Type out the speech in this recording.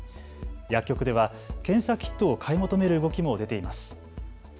薬局では検査キットを買い求める動きも出ています。